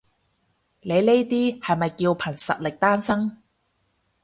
你呢啲係咪叫憑實力單身？